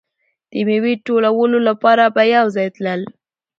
د میوې ټولولو لپاره به یو ځای تلل.